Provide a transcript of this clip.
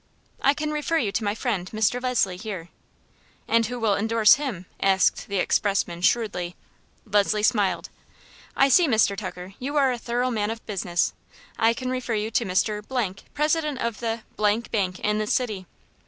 "I can refer you to my friend, Mr. Leslie, here." "And who will indorse him?" asked the expressman, shrewdly. Leslie smiled. "I see, Mr. Tucker, you are a thorough man of business. I can refer you to Mr. , president of the Bank in this city."